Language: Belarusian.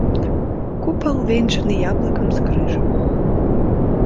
Купал увенчаны яблыкам з крыжам.